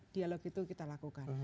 dialog itu kita lakukan